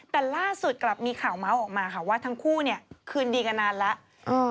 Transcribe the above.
แต่ล่าสุดกลับมีข่าวเมาส์ออกมาค่ะว่าทั้งคู่เนี่ยคืนดีกันนานแล้ว